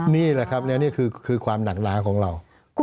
นี่แหละครับและนี่คือความหนักหนาของเรา